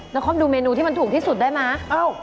นครดูเมนูที่มันถูกที่สุดได้ไหม